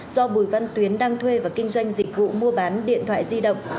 do bùi văn tuyến đang thuê và kinh doanh dịch vụ mua bán điện thoại di động